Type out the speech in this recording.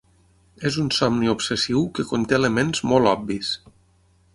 És un somni obsessiu que conté elements molt obvis.